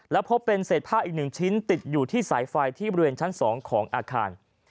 และพบเป็นเศษผ้าอีก๑ชิ้นติดอยู่ที่สายไฟที่บริเวณชั้น๒ของอาคาร